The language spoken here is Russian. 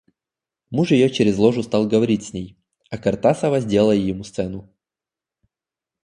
Муж ее через ложу стал говорить с ней, а Картасова сделала ему сцену.